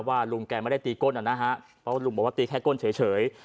ลุงแกไม่ได้ตีก้นนะฮะเพราะลุงบอกว่าตีแค่ก้นเฉย